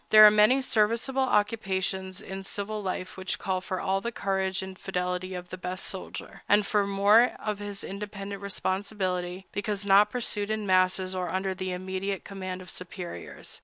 There are many serviceable occupations in civil life which call for all the courage and fidelity of the best soldier, and for more than his independent responsibility, because not pursued in masses or under the immediate command of superiors.